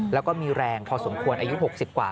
แล้วก็มีแรงพอสมควรอายุ๖๐กว่า